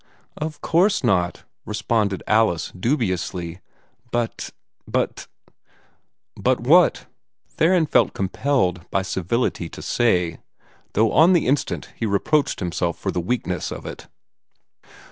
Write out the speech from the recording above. "Of course not," responded Alice, dubiously; "but but " "But what? Theron felt compelled by civility to say, though on the instant he reproached himself for the weakness of it.